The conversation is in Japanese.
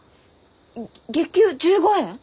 月給１５円！？